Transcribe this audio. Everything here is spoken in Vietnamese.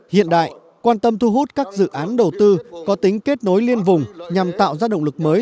hiện đại quan tâm thu hút các dự án đầu tư có tính kết nối liên vùng nhằm tạo ra động lực mới